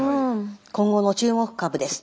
今後の注目株です。